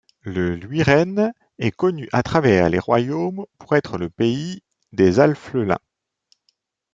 Le Luiren est connu à travers les Royaumes pour être le pays des halfelins.